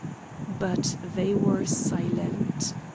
But they were silent.